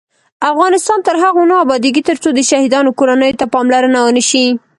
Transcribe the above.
افغانستان تر هغو نه ابادیږي، ترڅو د شهیدانو کورنیو ته پاملرنه ونشي.